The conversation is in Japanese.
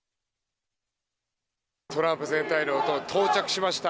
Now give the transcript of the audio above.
トランプ前大統領到着しました。